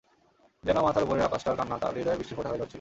যেন মাথার ওপরের আকাশটার কান্না তাঁর হৃদয়েও বৃষ্টির ফোঁটা হয়ে ঝরছিল।